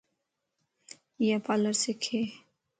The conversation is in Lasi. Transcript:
ايا پالر سکي